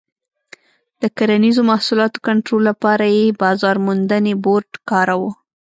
د کرنیزو محصولاتو کنټرول لپاره یې بازار موندنې بورډ کاراوه.